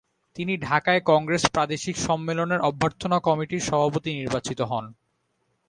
তিনি ঢাকায় কংগ্রেস প্রাদেশিক সম্মেলনের অভ্যর্থনা কমিটির সভাপতি নির্বাচিত হন।